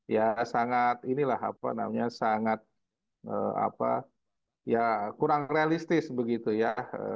ya sangat inilah apa namanya sangat apa ya kurang realistis begitu ya